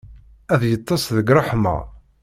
Ad yeṭṭes deg ṛṛeḥma.